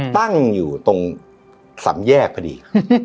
ตั้งอยู่ตรงสำแยกพอดี